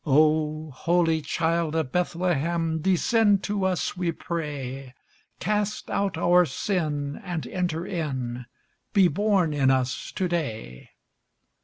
O holy Child of Bethlehem, Descend to us, we pray! Cast out our sin and enter in; Be born in us to day.